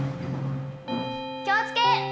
気を付け！